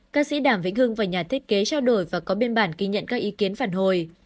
các sĩ đàm vĩnh hưng và nhà thiết kế trao đổi và có biên bản ghi nhận các ý kiến phản hồi